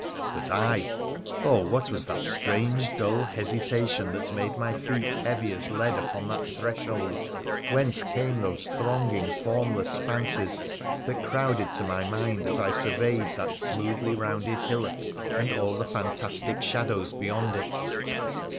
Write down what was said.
But I ! Oh, what was that strange, dull hesitation that made my feet heavy as lead upon that threshold ? Whence came those thronging, formless fancies that crowded to my mind as I surveyed that smoothly rounded hillock, and all the fantastic shadows beyond it